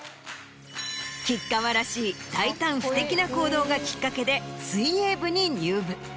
吉川らしい大胆不敵な行動がきっかけで水泳部に入部。